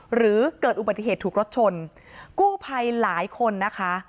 หรือเกิดอุบัติเหตุถูกรถชนกู้ภัยหลายคนนะคะ